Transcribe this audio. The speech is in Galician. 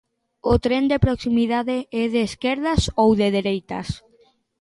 O tren de proximidade é de esquerdas ou de dereitas?